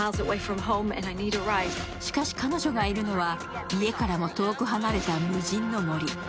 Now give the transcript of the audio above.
しかし、彼女がいるのは家からも遠く離れた無人の森。